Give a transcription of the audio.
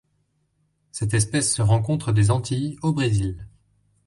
Cette espèce se rencontre des Antilles au Brésil.